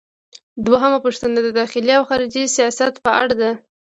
دوهمه پوښتنه د داخلي او خارجي سیاست په اړه ده.